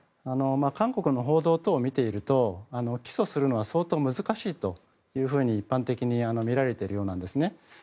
韓国の報道等を見ていると起訴するのは相当難しいと一般的に見られているようなんですね。